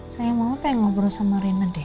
sayang mama pengen ngobrol sama rena deh